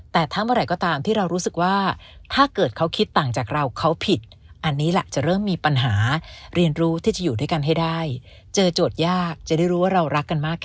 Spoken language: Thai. แต่ทำอะไรก็ตามที่เรารู้สึกว่า